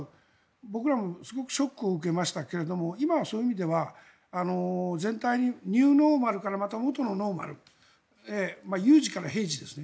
僕らもすごくショックを受けましたが今はそういう意味では全体にニューノーマルからまた元のノーマルへ有事から平時ですね。